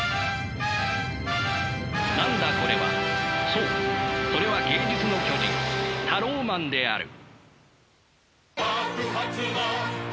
そうそれは芸術の巨人タローマンである。